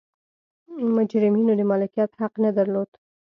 مجرمینو د مالکیت حق نه درلود.